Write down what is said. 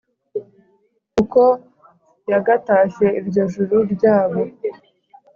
Uko yagatashye iryo juru ryabo